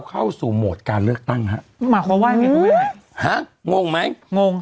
เข้าสู่โหมดการเลือกตั้งฮะหมายความว่าฮะงงไหมงง